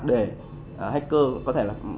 để hacker có thể là